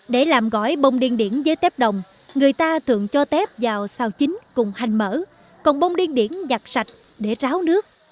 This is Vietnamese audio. để làm gỏi bông điên điển với tép đồng người ta thường cho tép vào xào chín cùng hành mỡ còn bông điên điển giặt sạch để ráo nước